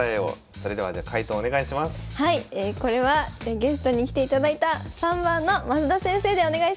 これはゲストに来ていただいた３番の増田先生でお願いします。